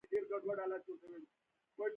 هندوانې ډېر اوبه لري او د دوبي مېوه ده.